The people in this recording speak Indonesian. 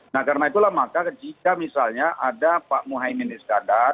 nah karena itulah maka jika misalnya ada pak muhaymin iskandar